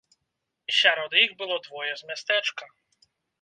Сярод іх было двое з мястэчка.